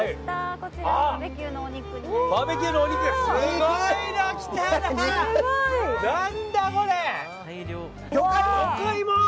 こちらバーベキューのお肉になります。